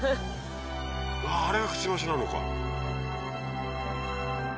あぁあれがくちばしなのか。